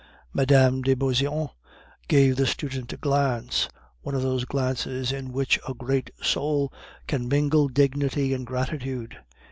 Mme. de Beauseant gave the student a glance, one of those glances in which a great soul can mingle dignity and gratitude.